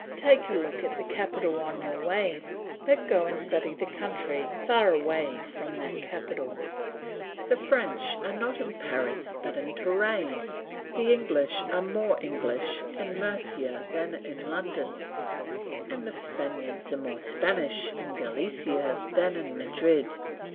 Take a look at the capital on your way, but go and study the country far away from that capital. The French are not in Paris, but in Touraine; the English are more English in Mercia than in London, and the Spaniards more Spanish in Galicia than in Madrid.